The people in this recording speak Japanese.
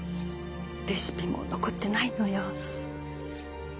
レシピも残ってないのよ。